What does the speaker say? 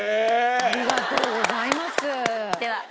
ありがとうございます。